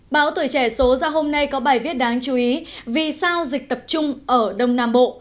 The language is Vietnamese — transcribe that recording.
báo tuổi trẻ số ra hôm nay có bài viết đáng chú ý vì sao dịch tập trung ở đông nam bộ